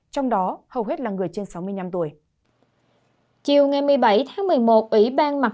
trong đó hầu hết là người trên sân